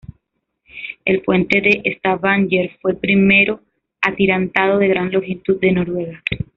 El puente de Stavanger fue el primero atirantado de gran longitud de Noruega.